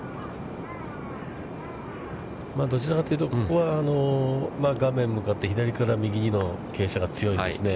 どちらかというと、ここは画面向かって左から右の傾斜が強いんですね。